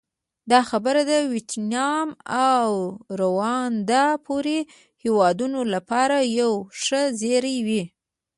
دا خبره د ویتنام او روندا پورې هېوادونو لپاره یو ښه زېری وي.